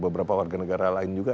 beberapa warga negara lain juga